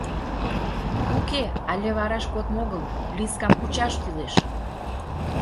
Уке, але вараш кодмо огыл, Лискам кучаш кӱлеш.